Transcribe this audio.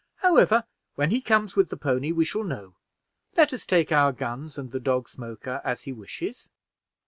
"However, when he comes with the pony, we shall know; let us take our guns and the dog Smoker as he wishes."